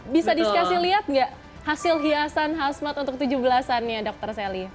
bisa diskusi lihat nggak hasil hiasan khasmat untuk tujuh belas annya dr sally